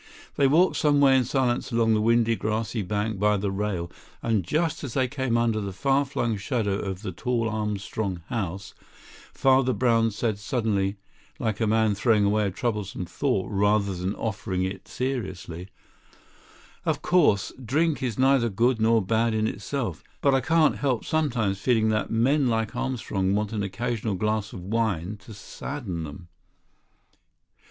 They walked some way in silence along the windy grassy bank by the rail, and just as they came under the far flung shadow of the tall Armstrong house, Father Brown said suddenly, like a man throwing away a troublesome thought rather than offering it seriously: "Of course, drink is neither good nor bad in itself. But I can't help sometimes feeling that men like Armstrong want an occasional glass of wine to sadden them."